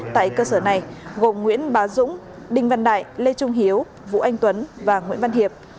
tại cơ sở này gồm nguyễn bá dũng đinh văn đại lê trung hiếu vũ anh tuấn và nguyễn văn hiệp